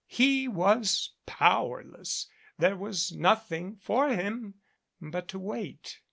He was powerless. There was nothing for him but to wait.